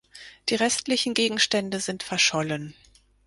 Die restlichen Gegenstände sind verschollen.